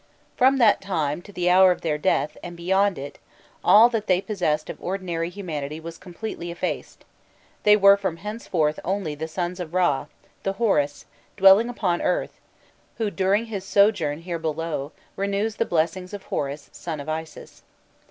From that time to the hour of their death, and beyond it, all that they possessed of ordinary humanity was completely effaced; they were from henceforth only "the sons of Râ," the Horus, dwelling upon earth, who, during his sojourn here below, renews the blessings of Horus, son of Isis.